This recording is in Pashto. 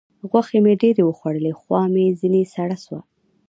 غوښې مې ډېرې وخوړلې؛ خوا مې ځينې سړه سوه.